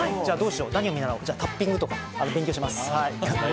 何を見習おう、タッピングとか勉強します。